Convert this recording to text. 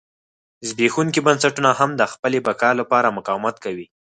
زبېښونکي بنسټونه هم د خپلې بقا لپاره مقاومت کوي.